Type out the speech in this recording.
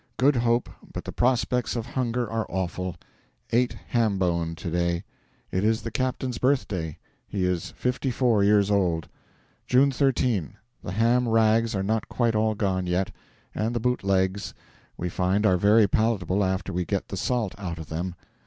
Good hope, but the prospects of hunger are awful. Ate ham bone to day. It is the captain's birthday; he is fifty four years old. June 13. The ham rags are not quite all gone yet, and the boot legs, we find, are very palatable after we get the salt out of them.